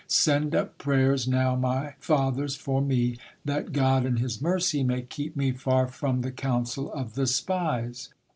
Send up prayers now, my fathers, for me, that God in His mercy may keep me far from the counsel of the spies."